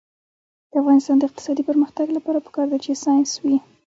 د افغانستان د اقتصادي پرمختګ لپاره پکار ده چې ساینس وي.